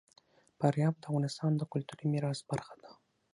فاریاب د افغانستان د کلتوري میراث برخه ده.